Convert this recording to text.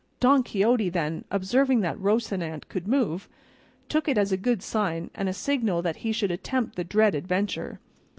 Don Quixote, then, observing that Rocinante could move, took it as a good sign and a signal that he should attempt the dread adventure.